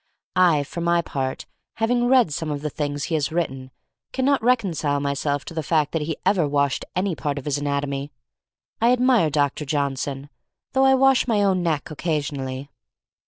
I, for my part, having re^d some of the things he has written, can not reconcile myself to the fact that he ever washed any part of his anatomy. I admire Dr. Johnson — though I wash my own neck occasionally.